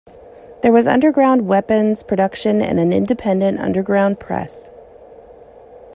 There was underground weapons production and an independent underground press.